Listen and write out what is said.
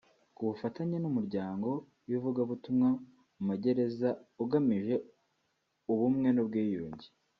ku bufatanye n’umuryango w’ivugabutumwa mu magereza ugamije ubumwe n’ubwiyunge